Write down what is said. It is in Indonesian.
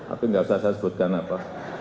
aku enggak usah saya sebutkan apa